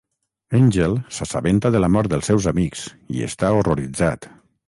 Angel s'assabenta de la mort dels seus amics i està horroritzat.